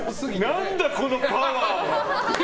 何だ、このパワーは！